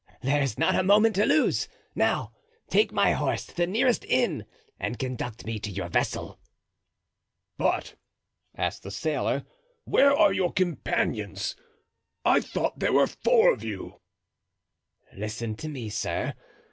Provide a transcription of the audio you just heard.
"There's not a moment to lose; now take my horse to the nearest inn and conduct me to your vessel." "But," asked the sailor, "where are your companions? I thought there were four of you." "Listen to me, sir.